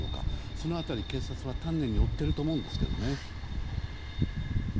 その辺り、警察は丹念に追っていると思うんですけどね。